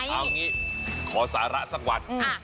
เอาอย่างงี้ขอสาระสักวัน